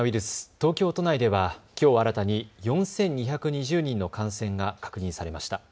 東京都内ではきょう新たに４２２０人の感染が確認されました。